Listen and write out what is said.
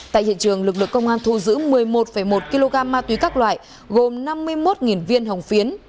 tại hiện trường lực lượng công an thu giữ một mươi một một kg ma túy các loại gồm năm mươi một viên hồng phiến